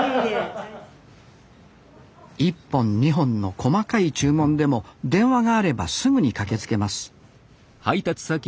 １本２本の細かい注文でも電話があればすぐに駆けつけます